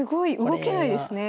動けないですね。